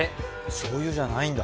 しょうゆじゃないんだ。